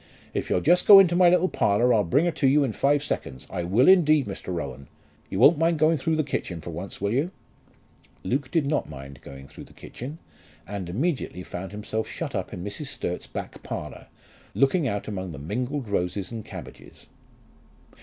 If you'll just go into my little parlour, I'll bring her to you in five seconds; I will indeed, Mr. Rowan. You won't mind going through the kitchen for once, will you?" Luke did not mind going through the kitchen, and immediately found himself shut up in Mrs. Sturt's back parlour, looking out among the mingled roses and cabbages. Mrs.